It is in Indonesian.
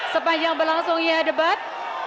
sepanjang berlangsungnya debat